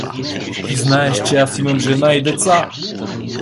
Ти знаеш, че аз имам жена и деца!